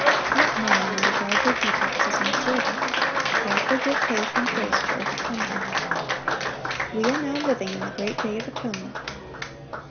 (872) Let none, then, regard their defects as incurable. God will give faith and grace to overcome them. We are now living in the great day of atonement.